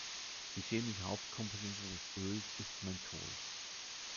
Die chemische Hauptkomponente des Öls ist Menthol.